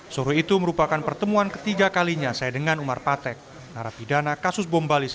suruh itu merupakan pertemuan ketiga kalinya saya dengan umar patek narapidana kasus bom bali